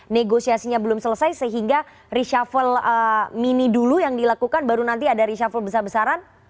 negosiasinya belum selesai sehingga reshuffle mini dulu yang dilakukan baru nanti ada reshuffle besar besaran